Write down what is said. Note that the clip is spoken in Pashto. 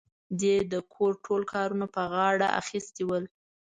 دې د کور ټول کارونه په غاړه اخيستي ول.